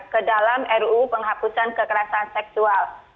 ke dalam ruu penghapusan kekerasan seksual